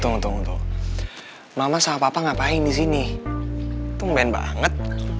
tunggu tunggu mama sama papa ngapain di sini tuh main banget